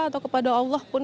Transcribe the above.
atau kepada allah pun